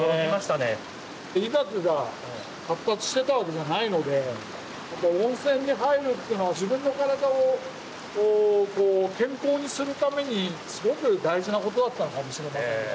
医学が発達してたわけじゃないので温泉に入るっていうのは自分の体を健康にするためにすごく大事なことだったのかもしれませんね。